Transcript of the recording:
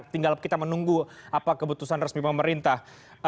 tinggal kita menunggu apa keputusan resmi pemerintah